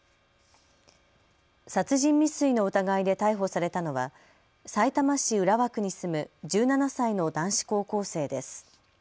殺人未遂の疑いで逮捕されたのはさいたま市浦和区に住む１７歳の男子高校生です。